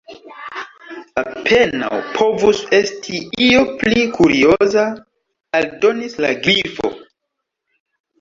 "Apenaŭ povus esti io pli kurioza," aldonis la Grifo.